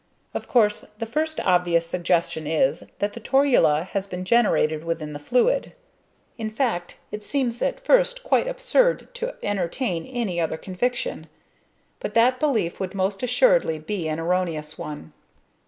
Of course the first obvious suggestion is, that the torula has been generated within the fluid. In fact, it seems at first quite absurd to entertain any other conviction; but that belief would most assuredly be an erroneous one.